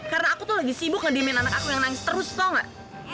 karena aku tuh lagi sibuk ngediemin anak aku yang nangis terus tau gak